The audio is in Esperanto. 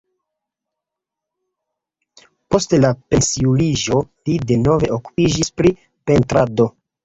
Post la pensiuliĝo li denove okupiĝis pri pentrado.